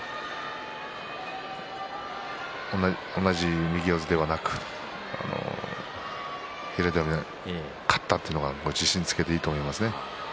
同じ右四つではなく平戸海、勝ったというのは自信をつけていいと思いますね。